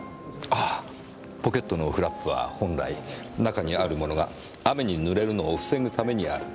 あぁポケットのフラップは本来中にあるものが雨に濡れるのを防ぐためにある。